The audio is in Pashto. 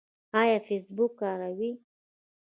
ایا فیسبوک کاروئ؟